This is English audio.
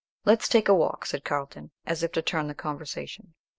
"Let's take a walk," said Carlton, as if to turn the conversation.